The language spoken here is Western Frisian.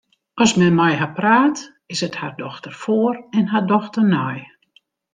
As men mei har praat, is it har dochter foar en har dochter nei.